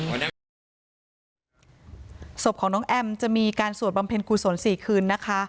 จากนั้นจะมีการสวดบำเพ็ญครูสน๔คืนนะคะ